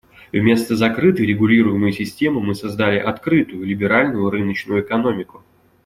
Вместо закрытой, регулируемой системы мы создали открытую, либеральную рыночную экономику.